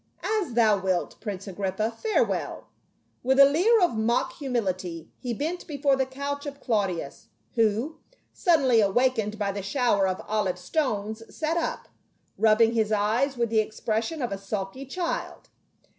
"As thou wilt, Prince Agrippa; farewell." With a leer of mock humility he bent before the couch of Clau dius who, suddenly awakened by the shower of olive stones, sat up, rubbing his eyes with the expression of a sulky child.